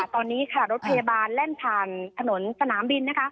ตอนนี้รถพยาบาลแล่นผ่านถนนสนามบิน